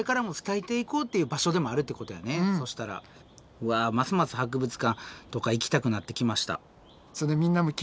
うわますます博物館とか行きたくなってきました。